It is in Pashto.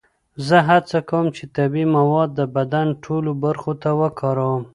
زه هڅه کوم چې طبیعي مواد د بدن ټولو برخو ته وکاروم.